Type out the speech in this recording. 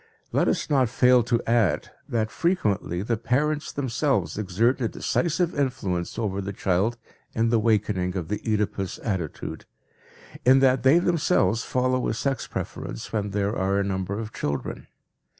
Let us not fail to add that frequently the parents themselves exert a decisive influence over the child in the wakening of the Oedipus attitude, in that they themselves follow a sex preference when there are a number of children.